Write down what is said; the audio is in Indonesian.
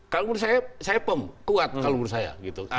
kalau menurut saya saya pem kuat kalau menurut saya gitu